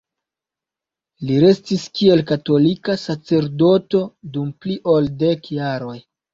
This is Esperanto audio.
Li restis kiel katolika sacerdoto dum pli ol dek jaroj.